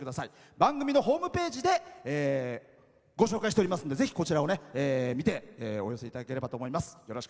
番組のホームページでご紹介しておりますのでこちらを見て、お寄せいただければと思います。